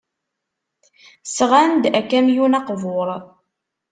Sɣant-d akamyun aqbur.